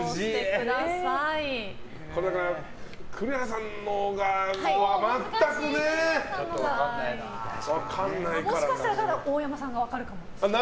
これが栗原さんのが、全くもしかしたら大山さんが分かるかも。